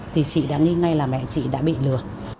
thì chị đã nghĩ ngay là mẹ chị đã bị lừa